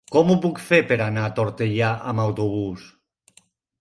Com ho puc fer per anar a Tortellà amb autobús?